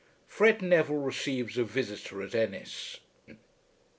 FRED NEVILLE RECEIVES A VISITOR AT ENNIS.